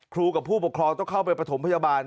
กับผู้ปกครองต้องเข้าไปประถมพยาบาล